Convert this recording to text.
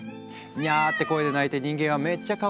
にゃって声で泣いて人間は「めっちゃかわいい。